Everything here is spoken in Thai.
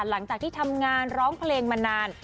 หลังจากที่ทำงานร้องเพลงมานาน